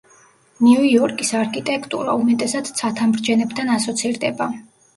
ნიუ-იორკის არქიტექტურა, უმეტესად ცათამბჯენებთან ასოცირდება.